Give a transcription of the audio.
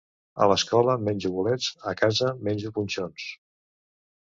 A l'escola menjo bolets, a casa menjo punxons